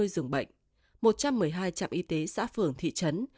hai trăm hai mươi giường bệnh một trăm một mươi hai trạm y tế xã phường thị trấn